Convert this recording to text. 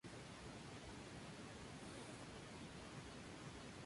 Apareció en la película "Who's the Man?